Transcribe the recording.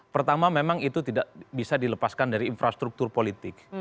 pertama memang itu tidak bisa dilepaskan dari infrastruktur politik